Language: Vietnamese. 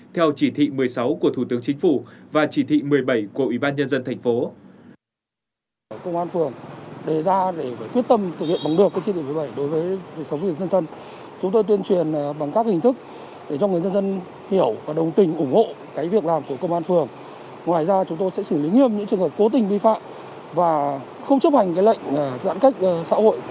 theo chỉ thị một mươi sáu của thủ tướng chính phủ và chỉ thị một mươi bảy của ủy ban nhân dân thành phố